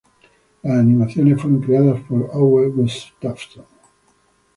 Las animaciones fueron creadas por Owe Gustafson.